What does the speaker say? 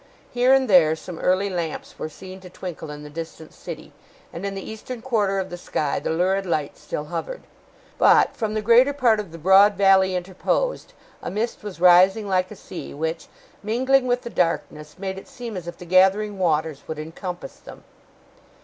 Here and there, some early lamps were seen to twinkle in the distant city; and in the eastern quarter of the sky the lurid light still hovered. But, from the greater part of the broad valley interposed, a mist was rising like a sea, which, mingling with the darkness, made it seem as if the gathering waters would encompass them.